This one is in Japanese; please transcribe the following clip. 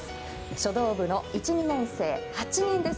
書道部の１、２年生、８人です。